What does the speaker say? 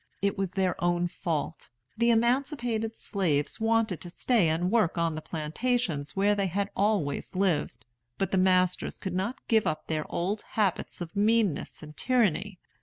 It was their own fault. The emancipated slaves wanted to stay and work on the plantations where they had always lived. But the masters could not give up their old habits of meanness and tyranny.